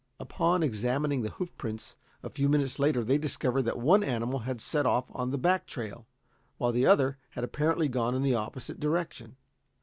Upon examining the hoof prints a few minutes later they discovered that one animal had set off on the back trail, while the other had apparently gone in the opposite direction.